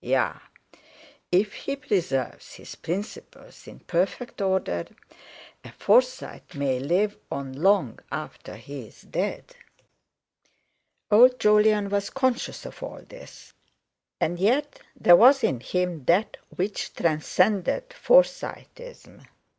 Yea! If he preserve his principles in perfect order, a Forsyte may live on long after he is dead. Old Jolyon was conscious of all this, and yet there was in him that which transcended Forsyteism.